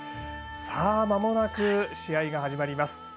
まもなく試合が始まります。